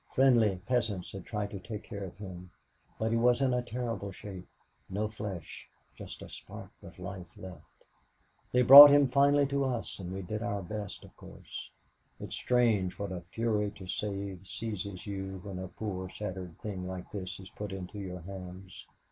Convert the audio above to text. Friendly peasants had tried to take care of him, but he was in a terrible shape no flesh just a spark of life left. They brought him finally to us and we did our best of course. It's strange what a fury to save seizes you when a poor shattered thing like this is put into your hands.